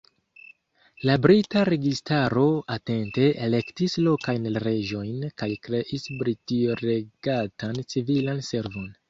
La brita registaro atente elektis lokajn reĝojn kaj kreis britio-regatan civilan servon.